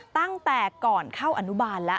ตั้งแต่ก่อนเข้าอนุบาลแล้ว